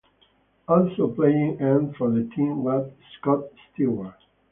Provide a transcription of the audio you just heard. Also playing end for the team was Scott Stewart.